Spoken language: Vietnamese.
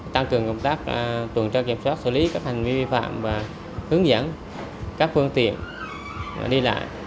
tăng cường công tác tuần tra kiểm soát xử lý các hành vi vi phạm và hướng dẫn các phương tiện đi lại